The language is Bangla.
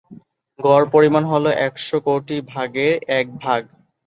গড় পরিমাণ হলো একশ কোটি ভাগে এক ভাগ।